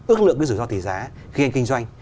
ước lượng cái rủi ro tỷ giá khi anh kinh doanh